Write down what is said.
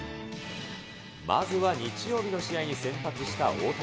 まずは日曜日の試合に先発した大谷。